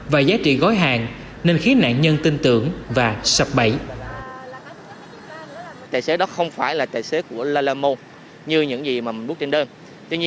và giá trị gói hàng nên khiến nạn nhân tin tưởng và sập bẫy